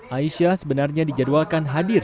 aisyah sebenarnya dijadwalkan hadir